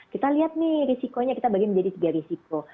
kita lihat nih risikonya kita bagi menjadi tiga risiko